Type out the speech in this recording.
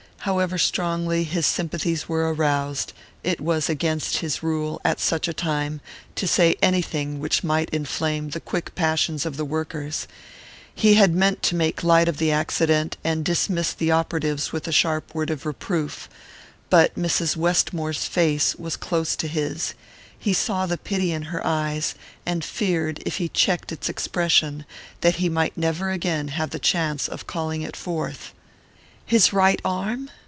However strongly his sympathies were aroused, it was against his rule, at such a time, to say anything which might inflame the quick passions of the workers: he had meant to make light of the accident, and dismiss the operatives with a sharp word of reproof. But Mrs. Westmore's face was close to his: he saw the pity in her eyes, and feared, if he checked its expression, that he might never again have the chance of calling it forth. "His right arm?